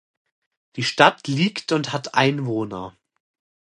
Die Stadt liegt und hat Einwohner.